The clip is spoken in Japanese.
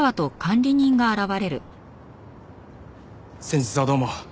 先日はどうも。